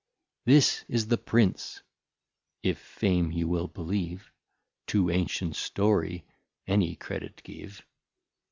This is the Prince (if Fame you will believe, To ancient Story any credit give.)